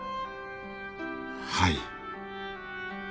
はい。